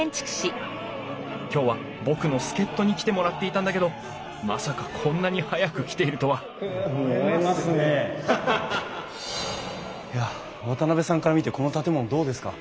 今日は僕の助っとに来てもらっていたんだけどまさかこんなに早く来ているとはいや渡さんから見てこの建物どうですか？